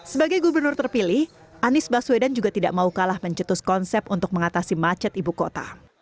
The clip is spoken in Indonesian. sebagai gubernur terpilih anies baswedan juga tidak mau kalah mencetus konsep untuk mengatasi macet ibu kota